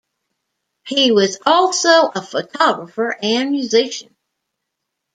He was also a photographer and musician.